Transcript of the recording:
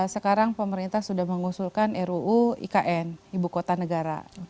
sekarang pemerintah sudah mengusulkan ruu ikn ibu kota negara